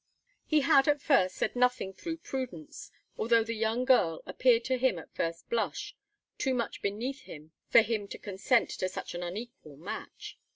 He had, at first, said nothing through prudence, although the young girl appeared to him, at first blush, too much beneath him for him to consent to such an unequal match.